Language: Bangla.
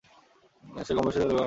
সে কমবয়স্ক ছেলেদের ব্যাপারেও আগ্রহী।